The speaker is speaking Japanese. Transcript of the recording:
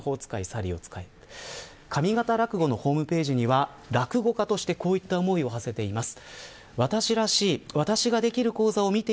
上方落語のホームページには落語家としてこういった思いをはせています。